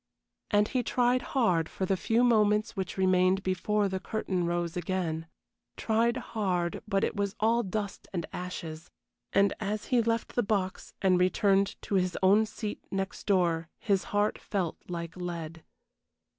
And he tried hard for the few moments which remained before the curtain rose again. Tried hard, but it was all dust and ashes; and as he left the box and returned to his own seat next door his heart felt like lead.